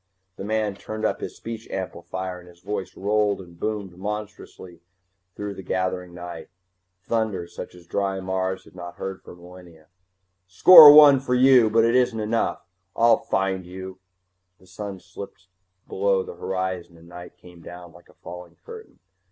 The man turned up his speech amplifier and his voice rolled and boomed monstrously through the gathering night, thunder such as dry Mars had not heard for millennia: "Score one for you! But it isn't enough! I'll find you!" The sun slipped below the horizon and night came down like a falling curtain.